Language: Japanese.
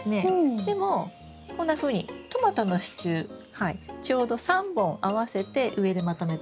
でもこんなふうにトマトの支柱ちょうど３本合わせて上でまとめてますよね？